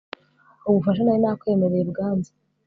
ubufasha nari nakwemereye bwanze